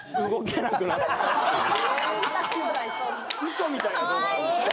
・嘘みたいな動画なんですね・